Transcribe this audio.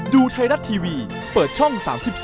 ดูไทยรัฐทีวีเปิดช่อง๓๒